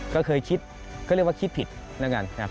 ก็เคยคิดก็เรียกว่าคิดผิดนะครับ